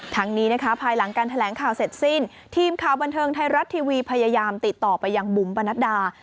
ทั้งนี้นะคะภายหลังการแถลงข่าวเสร็จสิ้นทีมข่าวบันเทิงไทยรัฐทีวีพยายามติดต่อไปยังบุ๋มปนัดดา